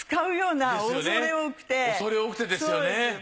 ですよね恐れ多くてですよね。